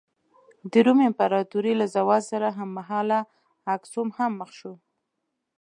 د روم امپراتورۍ له زوال سره هممهاله اکسوم هم مخ شو.